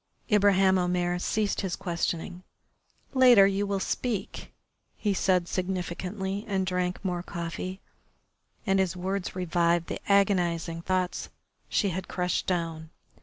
Ibraheim Omair ceased his questioning. "Later you will speak," he said significantly, and drank more coffee. And his words revived the agonising thoughts she had crushed down.